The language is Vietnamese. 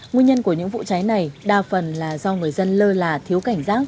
nguyên nhân của những vụ cháy này đa phần là do người dân lơ là thiếu cảnh giác